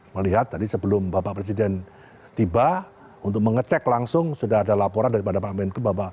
melihat tadi sebelum bapak presiden tiba untuk mengecek langsung sudah ada laporan daripada pak menko